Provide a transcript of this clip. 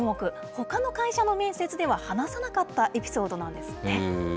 ほかの会社の面接では話さなかったエピソードなんですって。